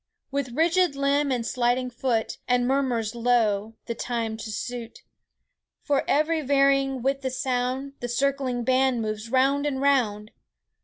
With rigid limb and sliding foot, And murmurs low the time to suit, For ever varying with the sound, The circling band moves round and round.